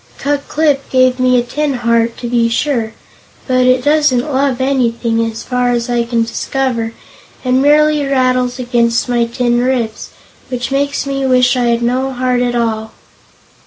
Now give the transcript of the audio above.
Ku Klip gave me a tin heart, to be sure, but it doesn't love anything, as far as I can discover, and merely rattles against my tin ribs, which makes me wish I had no heart at all."